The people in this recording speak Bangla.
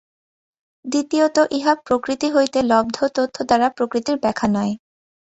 দ্বিতীয়ত ইহা প্রকৃতি হইতে লব্ধ তথ্য দ্বারা প্রকৃতির ব্যাখ্যা নয়।